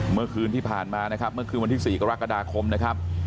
เมื่อคืนที่ผ่านมานะครับเมื่อคืนวันที่๔กรกฎาคมนะครับ